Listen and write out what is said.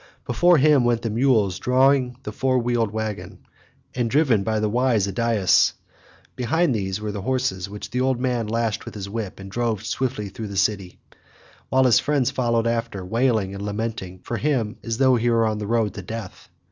Before him went the mules drawing the four wheeled waggon, and driven by wise Idaeus; behind these were the horses, which the old man lashed with his whip and drove swiftly through the city, while his friends followed after, wailing and lamenting for him as though he were on his road to death.